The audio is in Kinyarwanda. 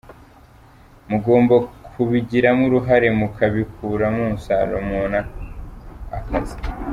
Mugomba kubigiramo uruhare, mukabikuramo umusaruro, mubona akazi.